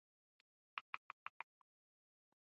د موبایل له لارې بانکي حساب کنټرول کیدی شي.